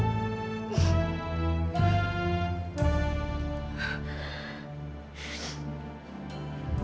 itu bertambah fewing ganda hebat